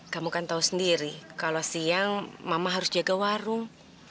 kamu kan tahu sendiri kalau siang mama harus jaga warung